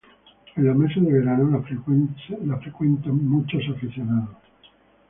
En los meses de verano la frecuentan muchos aficionados.